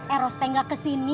eros teh nggak kesini